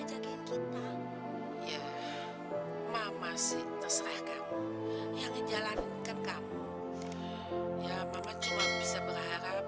ngajakin kita ya mama sih terserah kamu yang ngejalanin kan kamu ya mama cuma bisa berharap